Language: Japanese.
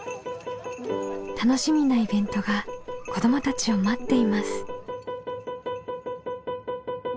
楽しみなイベントが子どもたちを待っています。